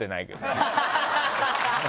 ハハハハ！